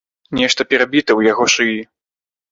Нешта перабіта ў яго шыі.